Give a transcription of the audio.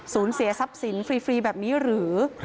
เสียทรัพย์สินฟรีแบบนี้หรือ